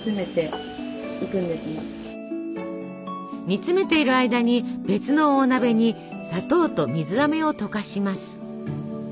煮詰めている間に別の大鍋に砂糖と水あめを溶かします。